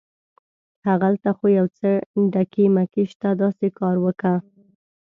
هغلته خو یو څه ډکي مکي شته، داسې کار وکه.